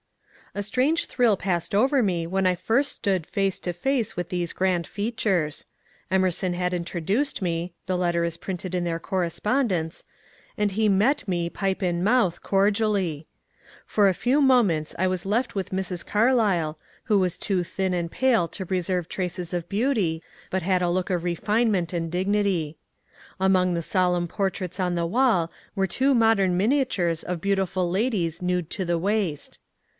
A strange thrill passed over me when I first stood face to face with these grand features. Emerson had introduced me (the letter is printed in their Correspondence), and he met me, pipe in mouth, cordially. For a few moments I was left with Mrs. Carlyle, who was too thin and pale to preserve traces of beauty, but had a look of refinement and dignity. Among the solemn portraits on the wall were two modem miniatures of beautiful ladies nude to the waist.